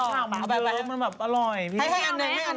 เครดค่ะ